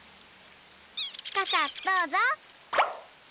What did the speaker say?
かさどうぞ。